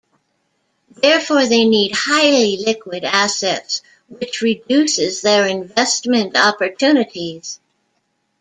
Therefore they need highly liquid assets which reduces their investment opportunities.